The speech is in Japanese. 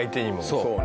そうね。